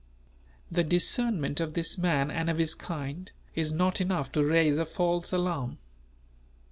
The discernment(?) of this man and of his kind is not enough to raise a false alarm.